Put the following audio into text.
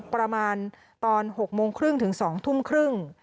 ประมาณตอน๖โมงครึ่งถึง๒ทุ่มครึ่ง